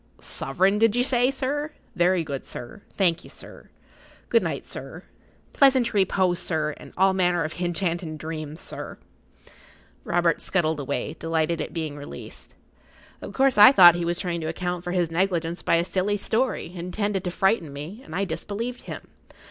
"Soverin' did you say, sir? Very good, sir. Thank ye, sir. Good night, sir. Pleasant reepose, sir, and all manner of hinchantin' dreams, sir." Robert scuttled away, delighted at being released. Of course, I thought he was trying to account for his negligence by a silly story, intended to frighten me, and I disbelieved him.